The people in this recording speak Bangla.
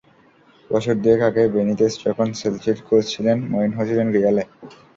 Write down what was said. বছর দুয়েক আগে বেনিতেজ যখন চেলসির কোচ ছিলেন, মরিনহো ছিলেন রিয়ালে।